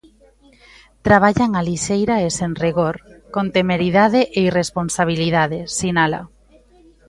Traballan á lixeira e sen rigor, con temeridade e irresponsabilidade, sinala.